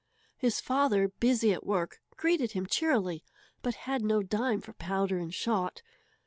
His father, busy at work, greeted him cheerily, but had no dime for powder and shot.